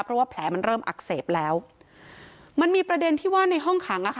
เพราะว่าแผลมันเริ่มอักเสบแล้วมันมีประเด็นที่ว่าในห้องขังอ่ะค่ะ